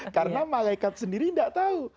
karena malaikat sendiri tidak tahu